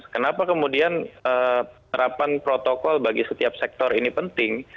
kenapa kemudian penerapan protokol bagi setiap sektor ini penting